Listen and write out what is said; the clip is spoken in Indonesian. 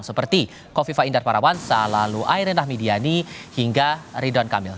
seperti kofifa indar parawan salalu airendah midiani hingga ridwan kamil